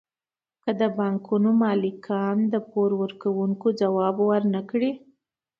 که د بانکونو مالکان د پور ورکوونکو ځواب ورنکړي